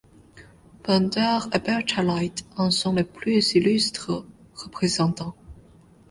Pindare et Bacchylide en sont les plus illustres représentants.